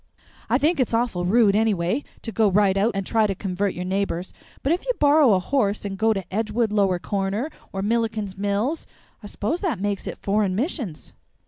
"I think it's awful rude, anyway, to go right out and try to convert your neighbors; but if you borrow a horse and go to Edgewood Lower Corner, or Milliken's Mills, I s'pose that makes it Foreign Missions."